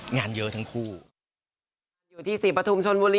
งานเยอะทั้งคู่